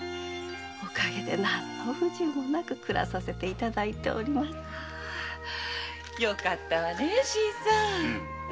お陰で何の不自由もなく暮らさせて頂いております。よかったわね新さん。